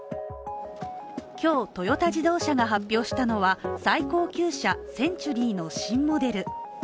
今日、トヨタ自動車が発表したのは最高級車・センチュリーの新モデル。